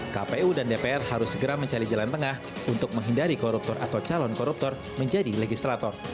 kpu dan dpr harus segera mencari jalan tengah untuk menghindari koruptor atau calon koruptor menjadi legislator